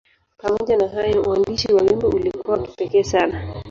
Pamoja na hayo, uandishi wa wimbo ulikuwa wa kipekee sana.